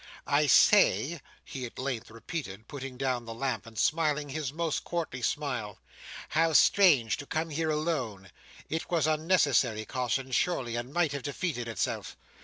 "I say," he at length repeated, putting down the lamp, and smiling his most courtly smile, "how strange to come here alone! It was unnecessary caution surely, and might have defeated itself.